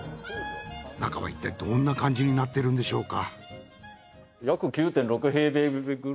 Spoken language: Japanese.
中はいったいどんな感じになってるんでしょうか？